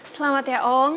selamat ya om